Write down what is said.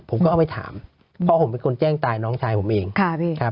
ผมก็เอาไปถามเพราะผมเป็นคนแจ้งตายน้องชายผมเองครับที่ก่อนพิเศษมากฐาน